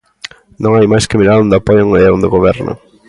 Non hai máis que mirar onde apoian e onde gobernan.